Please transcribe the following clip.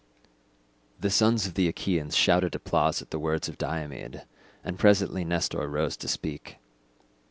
The sons of the Achaeans shouted applause at the words of Diomed, and presently Nestor rose to speak.